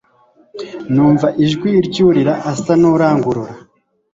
numva ijwi ry'urira asa nurangurura